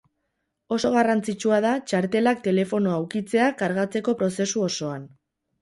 Oso garrantzitsua da txartelak telefonoa ukitzea kargatzeko prozesu osoan.